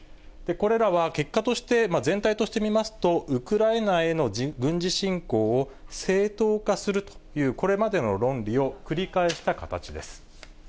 これらは、結果として全体として見ますと、ウクライナへの軍事侵攻を正当化するという、これまでの論理を繰り返した形です。